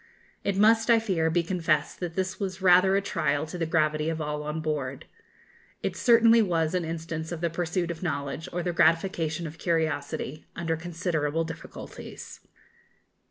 It must, I fear, be confessed that this was rather a trial to the gravity of all on board. It certainly was an instance of the pursuit of knowledge, or the gratification of curiosity, under considerable difficulties.